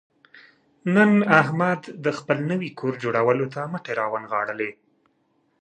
نن احمد د خپل نوي کور جوړولو ته مټې را ونغاړلې.